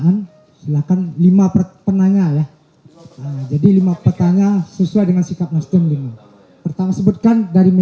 untuk partai nasdem sendiri ketika pak prabowo terpilih